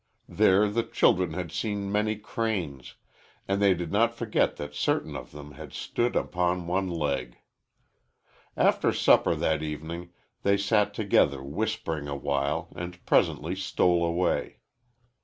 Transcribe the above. There the children had seen many cranes, and they did not forget that certain of them had stood upon one leg. After supper that evening they sat together whispering awhile and presently stole away.